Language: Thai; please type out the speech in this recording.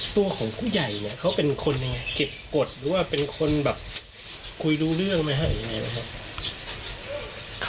ตัวของผู้ใหญ่เนี่ยเขาเป็นคนยังไงเก็บกฎหรือว่าเป็นคนแบบคุยรู้เรื่องไหมฮะหรือยังไงนะครับ